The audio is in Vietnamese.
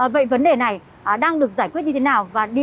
vậy vấn đề này đang được giải quyết như thế nào